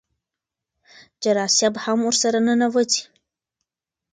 جراثیم هم ورسره ننوځي.